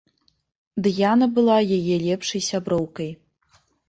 Дыяна была яе лепшай сяброўкай.